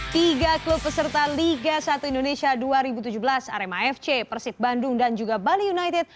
tiga klub peserta liga satu indonesia dua ribu tujuh belas arema fc persib bandung dan juga bali united